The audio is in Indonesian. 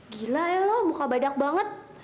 gila ya lo muka badak banget